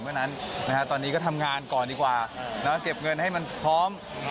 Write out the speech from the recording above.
เพราะฉะนั้นตอนนี้ก็ทำงานก่อนดีกว่าแล้วก็เก็บเงินให้มันพร้อม